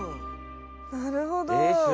なるほど。